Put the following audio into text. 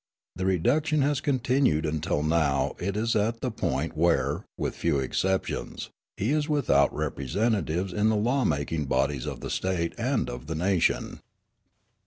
The reduction has continued until now it is at the point where, with few exceptions, he is without representatives in the law making bodies of the State and of the nation.